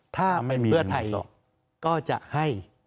ถ้าเป็นเพื่อไทยก็จะให้